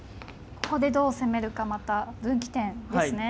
ここでどう攻めるかまた分岐点ですね。